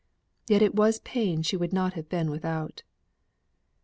Yet it was pain she would not have been without.